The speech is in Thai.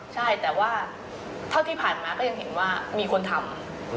ใช่แต่ว่าเท่าที่ผ่านมาก็ยังเห็นว่ามีคนทำ